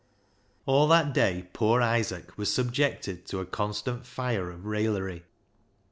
All that day poor Isaac was subjected to a constant fire of raillery.